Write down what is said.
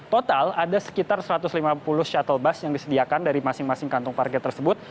total ada sekitar satu ratus lima puluh shuttle bus yang disediakan dari masing masing kantong parkir tersebut